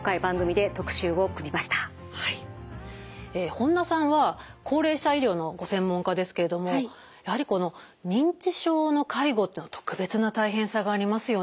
本田さんは高齢者医療のご専門家ですけれどもやはりこの認知症の介護っていうのは特別な大変さがありますよね。